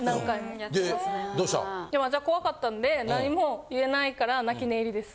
でどうした？で怖かったんで何も言えないから泣き寝入りです。